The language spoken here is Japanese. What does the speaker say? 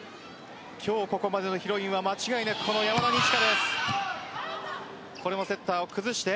今日ここまでのヒロインは間違いなく、この山田二千華です。